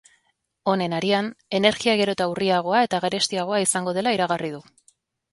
Honen harian, energia gero eta urriagoa eta garestiagoa izango dela iragarri du.